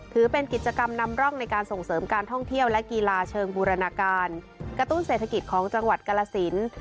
ถือเป็นกิจกรรมนำร่องในการส่งเสริมการท่องเที่ยวและกีฬาเชิงบูรณาการกระตุ้นเศรษฐกิจของจังหวัดกรสิน